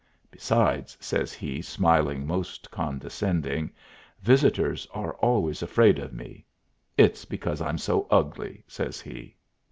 Besides," says he, smiling most condescending, "visitors are always afraid of me. It's because I'm so ugly," says he.